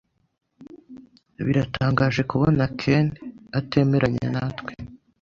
Biratangaje kubona Ken atemeranya natwe.